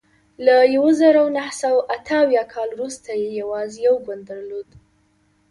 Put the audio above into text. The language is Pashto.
له یوه زرو نهه سوه اته اویا کال وروسته یې یوازې یو ګوند درلود.